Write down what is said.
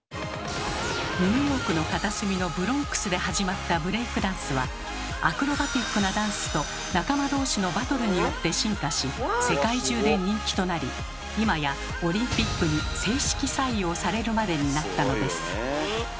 ニューヨークの片隅のブロンクスで始まったブレイクダンスはアクロバティックなダンスと仲間同士のバトルによって進化し世界中で人気となり今やオリンピックに正式採用されるまでになったのです。